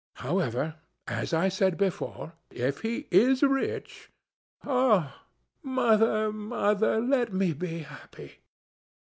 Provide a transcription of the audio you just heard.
However, as I said before, if he is rich ..." "Ah! Mother, Mother, let me be happy!"